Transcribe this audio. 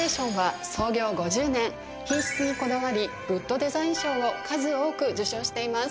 品質にこだわりグッドデザイン賞を数多く受賞しています。